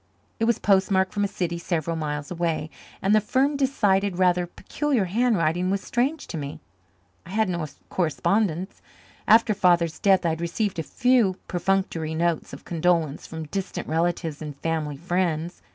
It was postmarked from a city several miles away, and the firm, decided, rather peculiar handwriting was strange to me. I had no correspondents. After Father's death I had received a few perfunctory notes of condolence from distant relatives and family friends.